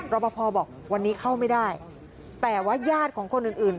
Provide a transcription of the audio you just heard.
รอปภบอกวันนี้เข้าไม่ได้แต่ว่าญาติของคนอื่นอื่น